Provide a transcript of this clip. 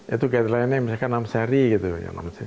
itu guideline nya yang misalkan enam jam enam jam